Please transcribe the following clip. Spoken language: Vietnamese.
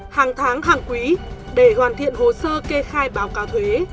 hàng tháng hàng quý để hoàn thiện hồ sơ kê khai báo cáo thuế